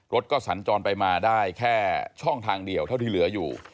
รถก็สัญจรไปมาได้แค่ช่องทางเดียวเท่าที่เหลืออยู่